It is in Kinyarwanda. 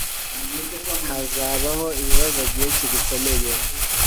Hazabaho ibibazo byinshi bikomeye.